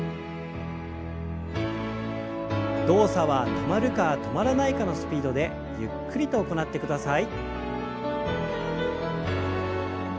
動作は止まるか止まらないかのスピードでゆっくりと行ってください。